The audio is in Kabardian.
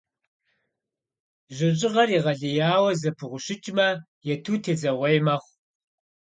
Жьыщӏыгъэр егъэлеяуэ зэпыгъущыкӏмэ, ету тедзэгъуей мэхъу.